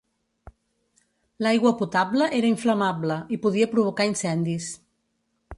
L'aigua potable era inflamable i podia provocar incendis.